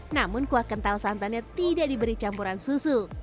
namun kuah kental santannya tidak diberi campuran susu